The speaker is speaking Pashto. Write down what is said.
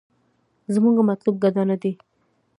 زمونګه مطلوب ګډا نه دې.